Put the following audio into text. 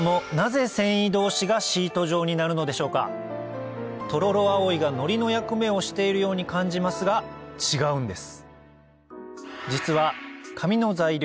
そもそもトロロアオイがのりの役目をしているように感じますが違うんです